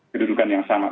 kedudukan yang sama